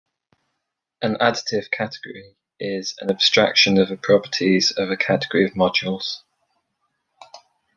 An additive category is an abstraction of the properties of the category of modules.